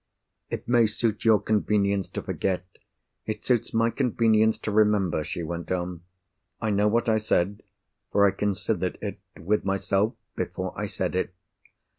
"It may suit your convenience to forget; it suits my convenience to remember," she went on. "I know what I said—for I considered it with myself, before I said it.